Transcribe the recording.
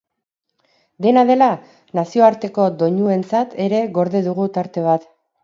Dena dela, nazioarteko doinuentzat ere gorde dugu tarte bat.